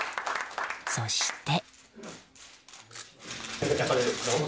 そして。